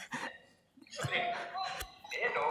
ښه يې زما دي، بد يې زما دي، هر څه زما دي